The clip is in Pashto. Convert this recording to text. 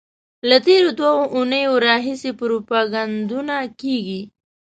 له تېرو دوو اونیو راهیسې پروپاګندونه کېږي.